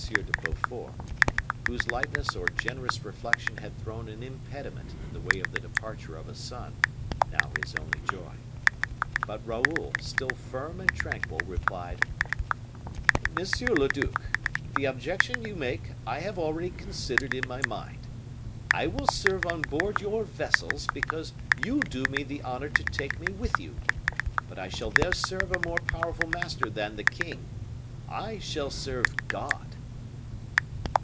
de Beaufort, whose lightness or generous reflection had thrown an impediment in the way of the departure of a son, now his only joy. But Raoul, still firm and tranquil, replied: "Monsieur le duc, the objection you make I have already considered in my mind. I will serve on board your vessels, because you do me the honor to take me with you; but I shall there serve a more powerful master than the king: I shall serve God!"